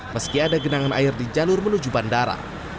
meski ada genangan air di jalur menuju bandara